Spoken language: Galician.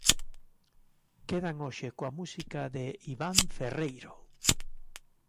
Quedan hoxe coa música de Iván Ferreiro.